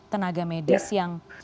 tenaga medis yang